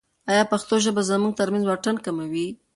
ایا پښتو ژبه زموږ ترمنځ واټن کموي؟